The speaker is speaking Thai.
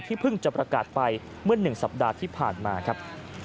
เพิ่งจะประกาศไปเมื่อ๑สัปดาห์ที่ผ่านมาครับ